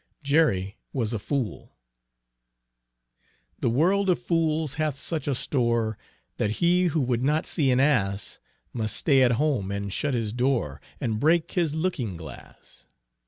Jerry was a fool "The world of fools hath such a store, That he who would not see an ass, Must stay at home and shut his door And break his looking glass."